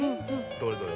どれどれ？